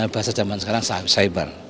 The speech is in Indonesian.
bahasa zaman sekarang cyber